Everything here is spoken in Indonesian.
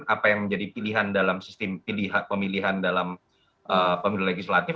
apa yang menjadi pilihan dalam sistem pemilihan dalam pemilu legislatif